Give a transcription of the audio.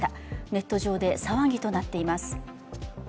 ネット上で騒ぎとなっています。